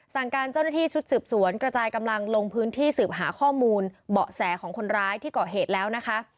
การเจ้าหน้าที่ชุดสืบสวนกระจายกำลังลงพื้นที่สืบหาข้อมูลเบาะแสของคนร้ายที่เกาะเหตุแล้วนะคะ